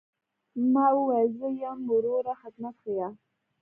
ما وويل زه يم وروه خدمت ښييه.